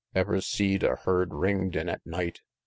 IX. Ever see'd a herd ring'd in at night?